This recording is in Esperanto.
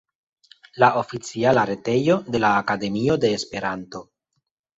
La oficiala retejo de la Akademio de Esperanto.